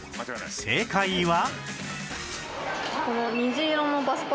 正解は